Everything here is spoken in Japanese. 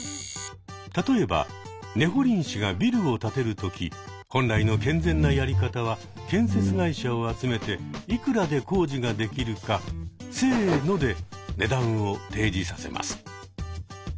例えばねほりん市がビルを建てるとき本来の健全なやり方は建設会社を集めていくらで工事ができるか「せの！」で値段を提示させます。